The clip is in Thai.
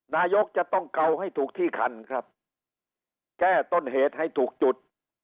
นายกจะต้องเกาให้ถูกที่คันครับแก้ต้นเหตุให้ถูกจุด